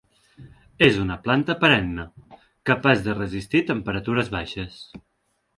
És una planta perenne, capaç de resistir temperatures baixes.